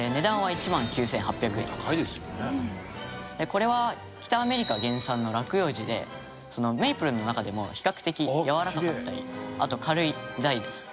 これは北アメリカ原産の落葉樹でメイプルの中でも比較的やわらかかったりあと軽い材です。